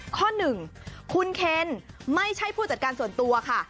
๑คุณเคนไม่ใช่ผู้จัดการส่วนตัวค่ะ